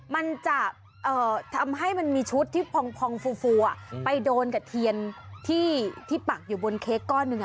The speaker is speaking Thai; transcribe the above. มันจะทำให้มันมีชุดที่พองฟูไปโดนกับเทียนที่ปักอยู่บนเค้กก้อนหนึ่ง